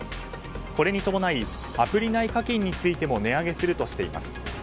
これに伴いアプリ内課金についても値上げするとしています。